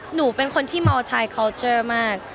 หนูเป็นคนที่มอลไทยเคาน์เจอร์มาก